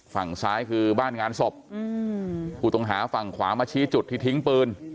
ฝั่งซ้ายคือบ้านงานศพผู้ต้องหาฝั่งขวามาชี้จุดที่ทิ้งปืน